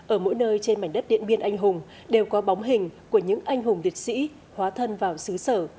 ở mỗi nơi trên mảnh đất điện biên anh hùng đều có bóng hình của những anh hùng liệt sĩ hóa thân vào xứ sở